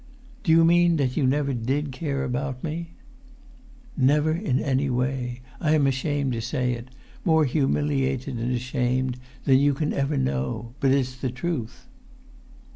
"Do you mean that you never did care about me?" "Never in that way. I am ashamed to say it—more humiliated and ashamed than you can ever know. But it's the truth."